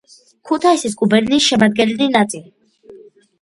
ქუთაისის გუბერნიის შემადგენელი ნაწილი.